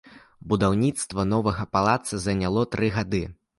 Будаўніцтва новага палаца заняло тры гады.